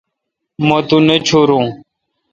مہ تو نہ چورو۔